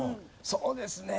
そうですね。